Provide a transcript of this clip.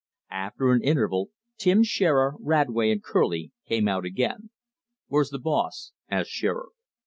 After an interval, Tim Shearer, Radway and Kerlie came out again. "Where's the boss?" asked Shearer.